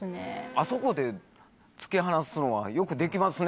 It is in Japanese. あそこで突き放すのはよくできますね。